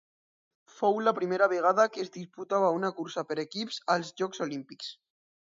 Fou la primera vegada que es disputava una cursa per equips als Jocs Olímpics.